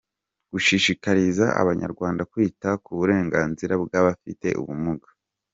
Gushishikariza abanyarwanda kwita ku burenganzira bw’Abafite ubumuga.